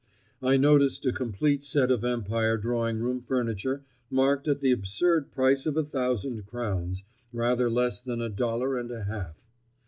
I noticed a complete set of Empire drawing room furniture marked at the absurd price of a thousand crowns—rather less than a dollar and a half.